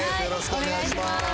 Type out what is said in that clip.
お願いします。